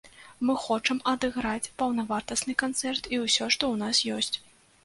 Мы хочам адыграць паўнавартасны канцэрт і ўсё, што ў нас ёсць.